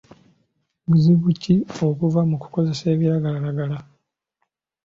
Buzibu ki obuva mu ku kozesa ebiragalalagala?